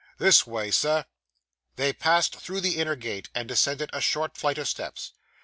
This way, sir.' They passed through the inner gate, and descended a short flight of steps.